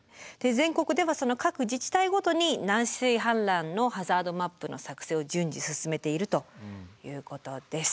全国ではその各自治体ごとに内水氾濫のハザードマップの作成を順次進めているということです。